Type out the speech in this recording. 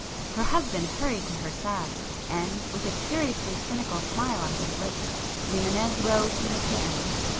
Her husband hurried to her side,—and, with a curiously cynical smile on his lips, Rimânez rose from the piano.